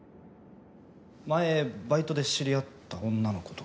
前バイトで知り合った女の子と。